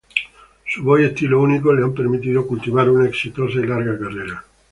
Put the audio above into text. Su voz y estilo único le han permitido cultivar una exitosa y larga carrera.